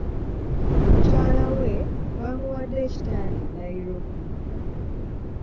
Mukyala we bamuwadde ekitanda e Nairobi.